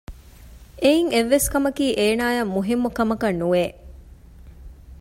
އެއިން އެއްވެސް ކަމަކީ އޭނާއަށް މުހިންމުކަމަކަށް ނުވެ